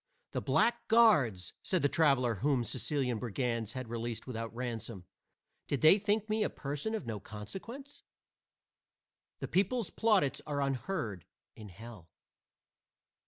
"The blackguards!" said a traveler whom Sicilian brigands had released without ransom; "did they think me a person of no consequence?" The people's plaudits are unheard in hell.